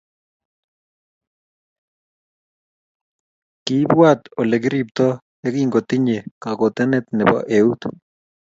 Kiabwaat ole kiriipto ye kingotinye kagotonet nebo eut.